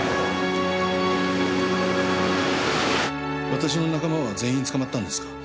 私の仲間は全員捕まったんですか？